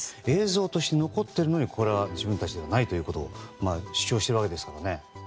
映像として残ってるのに自分たちではないということを主張しているわけですからね。